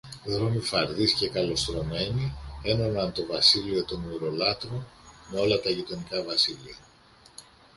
δρόμοι φαρδείς και καλοστρωμένοι ένωναν το βασίλειο των Μοιρολάτρων με όλα τα γειτονικά βασίλεια.